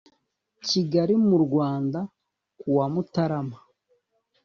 kigali mu rwanda ku a mutarama